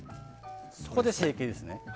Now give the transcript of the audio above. ここで成形ですね。